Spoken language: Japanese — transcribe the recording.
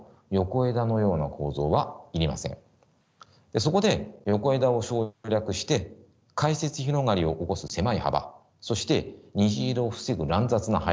そこで横枝を省略して回折広がりを起こす狭い幅そして虹色を防ぐ乱雑な配列を考えます。